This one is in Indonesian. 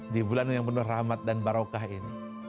di bulan yang penuh rahmat dan barokah ini